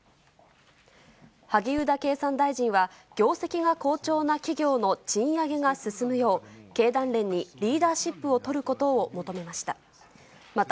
萩生田経産大臣は、業績が好調な企業の賃上げが進むよう、経団連にリーダーシップを執ることを求めました。